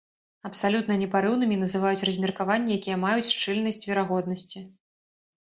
Абсалютна непарыўнымі называюць размеркаванні, якія маюць шчыльнасць верагоднасці.